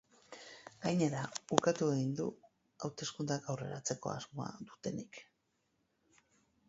Gainera, ukatu egin du hauteskundeak aurreratzeko asmoa dutenik.